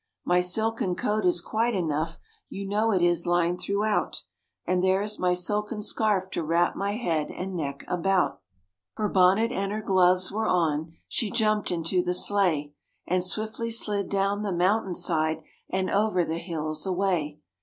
My silken coat is quite enough, you know it is lined throughout, And there is my silken scarf to wrap my head and neck about." Her bonnet and her gloves were on, she jumped into the sleigh, And swiftly slid down the mountain side and over the hills away.